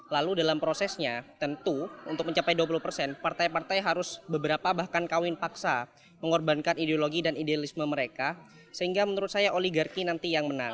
lalu dalam prosesnya tentu untuk mencapai dua puluh persen partai partai harus beberapa bahkan kawin paksa mengorbankan ideologi dan idealisme mereka sehingga menurut saya oligarki nanti yang menang